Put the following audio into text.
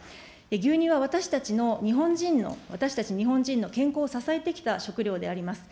牛乳は私たちの、日本人の、私たち日本人の健康を支えてきた食料であります。